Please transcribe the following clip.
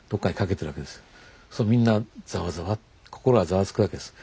それみんなざわざわ心がざわつくわけです。